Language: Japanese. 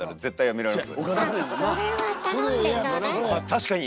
「確かに！